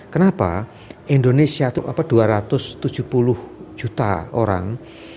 kenapa indonesia itu dua ratus tujuh puluh juta orang